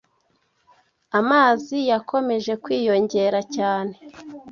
Amazi yakomeje kwiyongera cyane